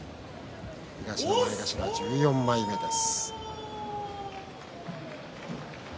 東の前頭１４枚目です。